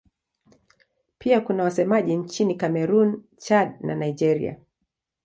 Pia kuna wasemaji nchini Kamerun, Chad na Nigeria.